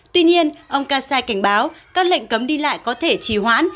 tuy nhiên ông kassai cảnh báo các lệnh cấm đi lại có thể trì hoãn